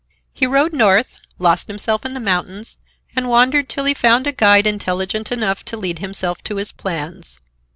He rode north, lost himself in the mountains, and wandered till he found a guide intelligent enough to lend himself to his plans.